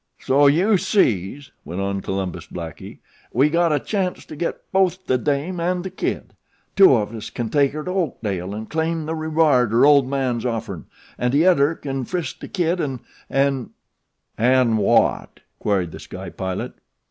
"So you sees," went on Columbus Blackie, "we got a chanct to get both the dame and The Kid. Two of us can take her to Oakdale an' claim the reward her old man's offerin' an' de odder two can frisk de Kid, an' an' ." "An' wot?" queried The Sky Pilot.